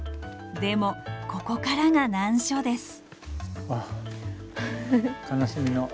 でもここからが難所です。